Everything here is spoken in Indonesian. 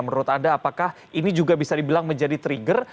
menurut anda apakah ini juga bisa dibilang menjadi trigger